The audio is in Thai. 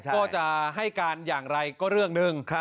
ก็จะให้การอย่างไรก็เรื่องหนึ่ง